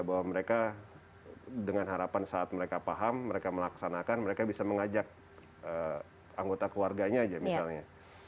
bahwa mereka dengan harapan saat mereka paham mereka melaksanakan mereka bisa mengajak anggota keluarganya aja misalnya